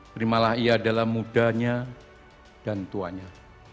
terimalah ia dalam mudanya dan tuanya